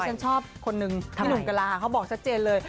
ฉันชอบคนนึงพี่หนุ่มกะลาเขาบอกชัดเจนเลย